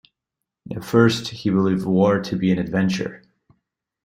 At first he believed war to be an adventure.